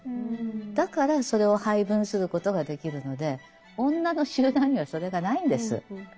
だからそれを配分することができるので女の集団にはそれがないんです。